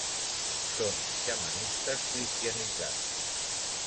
Són xamanistes cristianitzats.